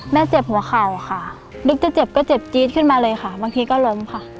เจ็บหัวเข่าค่ะนึกจะเจ็บก็เจ็บจี๊ดขึ้นมาเลยค่ะบางทีก็ล้มค่ะ